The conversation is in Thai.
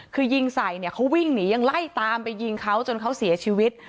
คือยิงใส่เนี่ยเขาวิ่งหนียังไล่ตามไปยิงเขาจนเขาเสียชีวิต